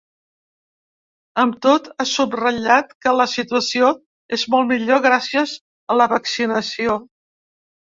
Amb tot, ha subratllat que la situació és molt millor gràcies a la vaccinació.